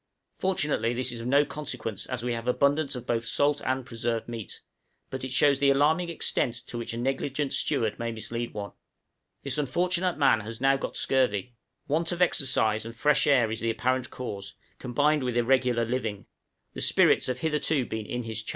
Fortunately this is of no consequence as we have abundance of both salt and preserved meat, but it shows the alarming extent to which a negligent steward may mislead one. This unfortunate man has now got scurvy; want of exercise and fresh air is the apparent cause, combined with irregular living; the spirits have hitherto been in his charge.